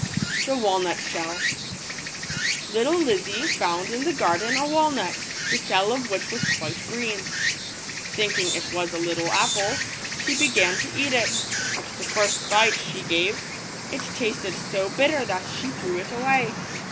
KKalnut JHieU. ITTLE Lizzy found in the garden a wa ^ nut > the shell of which was quite green. Thinking it was a little apple, she began to eat it ; but the first bite she gave, it tasted so bitter that she threw it away.